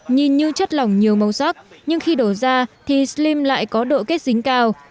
nhìn như chất lỏng nhiều màu sắc nhưng khi đổ ra thì slim lại có độ kết dính cao